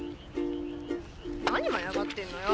何舞い上がってんのよ。